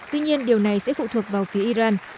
tuy nhiên điều này sẽ phụ thuộc vào phía iran